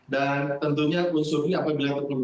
dan tentunya unsurnya apabila terlalu